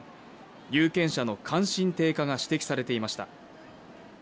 有権者の関心低下が指摘されていました。